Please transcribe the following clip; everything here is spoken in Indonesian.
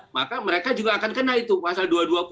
maka mereka juga akan kena itu pasal dua ratus dua puluh